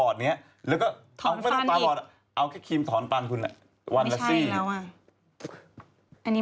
เราทำไม่ใช่